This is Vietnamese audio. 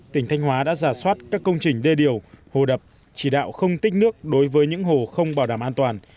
tỉnh thanh hóa đã giả soát các công trình đê điều hồ đập chỉ đạo không tích nước đối với những hồ không bảo đảm an toàn